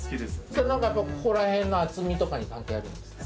それ何かここらへんの厚みとかに関係あるんですか？